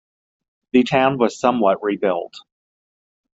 The town was somewhat rebuilt.